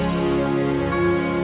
ampun gusti prabu